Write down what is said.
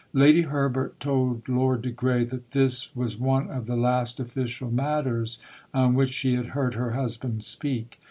Lady Herbert told Lord de Grey that this was one of the last official matters on which she had heard her husband speak.